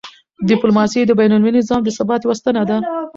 ډیپلوماسي د بینالمللي نظام د ثبات یوه ستنه ده.